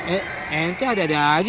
eh ente ada ada aja